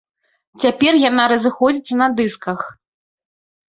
Цяпер яна разыходзіцца на дысках.